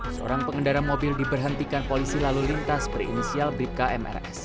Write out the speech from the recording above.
seorang pengendara mobil diberhentikan polisi lalu lintas perinisial bkmrs